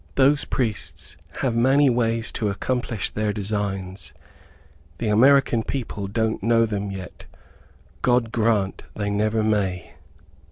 Those priests have many ways to accomplish their designs. The American people don't know them yet; God grant they never may.